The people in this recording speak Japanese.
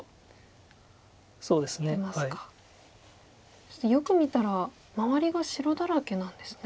そしてよく見たら周りが白だらけなんですね。